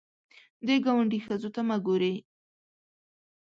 د ګاونډي ښځو ته مه ګورې